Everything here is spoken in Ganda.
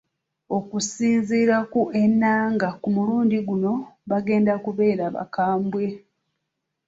Okusinziira ku Enanga ku mulundi guno bagenda kubeera bakambwe.